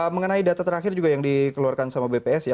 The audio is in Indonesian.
mengenai data terakhir juga yang dikeluarkan sama bps ya